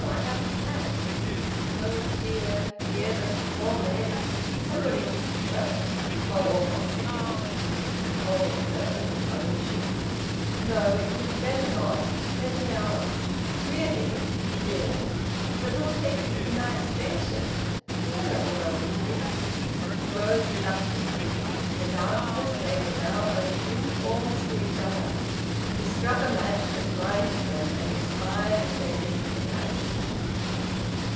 I have to pack... Oh dear, dear those poor men! Somebody will be hurt!" "I'll walk up with you," he whispered, holding her, in owner ship. "No. It will be better not. Let me out." "Really?" "Really!" "But who'll take you to Knype Station?" "Janet will go with me." She rose reluctantly. In the darkness they were now only dim forms to each other. He struck a match, that blinded them and expired as they reached the passage...